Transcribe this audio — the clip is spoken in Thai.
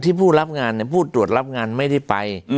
ที่ผู้รับงานเนี่ยผู้ตรวจรับงานไม่ได้ไป